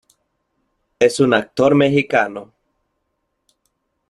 Es un Actor mexicano.